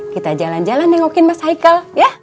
kita jalan jalan nengokin mas haikal ya